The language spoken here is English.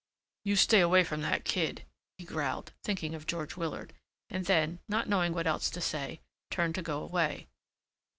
"You stay away from that kid," he growled, thinking of George Willard, and then, not knowing what else to say, turned to go away.